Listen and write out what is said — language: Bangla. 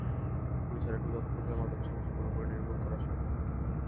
পুলিশ আরেকটু তৎপর হলে মাদকের সমস্যা পুরোপুরি নির্মূল করা সম্ভব হবে।